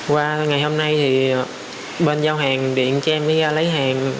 qua ngày hôm nay thì bên giao hàng điện cho em đi lấy hàng